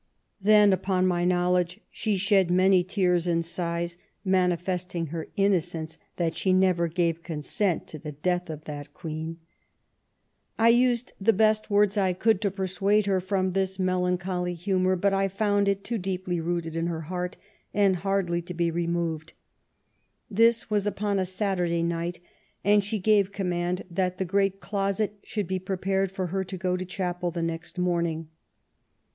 Then, upon my knowledge, she shed many tears and sighs, manifesting her innocence that she never gave consent to the death of that Queen. I used the best words I could to LAST YEARS OF ELIZABETH. 301 persuade her from this melancholy humour; but I found it was too deeply rooted in her heart, and hardly to be removed. This was upon a Saturday night, and she gave command that the great closet should be prepared for her to go to chapel the next morning.